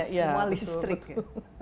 konsep semua listrik